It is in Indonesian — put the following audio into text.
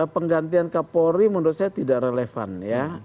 penggantian kapolri menurut saya tidak relevan ya